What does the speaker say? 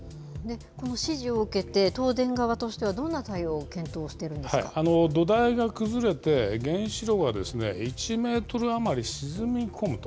この指示を受けて、東電側としてはどんな対応を検討している土台が崩れて、原子炉が１メートル余り沈み込むと。